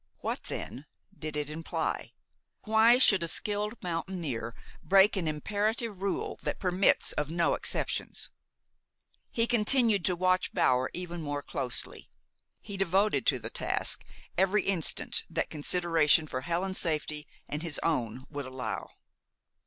What, then, did it imply? Why should a skilled mountaineer break an imperative rule that permits of no exceptions? He continued to watch Bower even more closely. He devoted to the task every instant that consideration for Helen's safety and his own would allow.